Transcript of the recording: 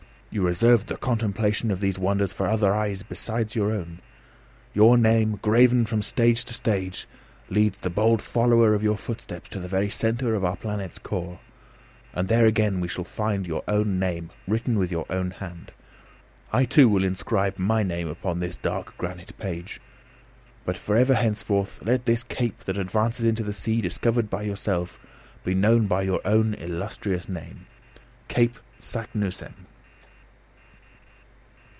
You reserved the contemplation of these wonders for other eyes besides your own. Your name, graven from stage to stage, leads the bold follower of your footsteps to the very centre of our planet's core, and there again we shall find your own name written with your own hand. I too will inscribe my name upon this dark granite page. But for ever henceforth let this cape that advances into the sea discovered by yourself be known by your own illustrious name Cape Saknussemm."